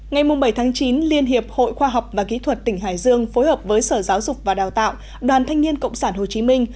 ngày bảy chín liên hiệp hội khoa học và kỹ thuật tỉnh hải dương phối hợp với sở giáo dục và đào tạo đoàn thanh niên cộng sản hồ chí minh